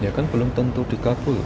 ya kan belum tentu dikabul